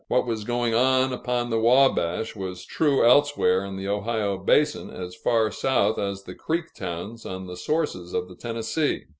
What was going on upon the Wabash, was true elsewhere in the Ohio basin, as far south as the Creek towns on the sources of the Tennessee.